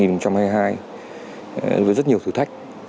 năm hai nghìn hai mươi hai với rất nhiều thử thách